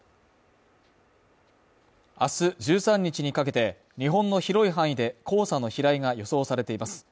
明日１３日にかけて、日本の広い範囲で黄砂の飛来が予想されています。